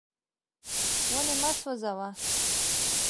ونې مه سوځوه.